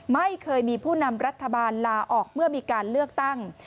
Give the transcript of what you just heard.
ไม่เคยมีผู้นำรัฐบาลลาออกเมื่อมีการเลือกตั้ง